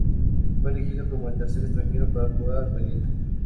Fue elegido como el tercer extranjero para jugar Valletta.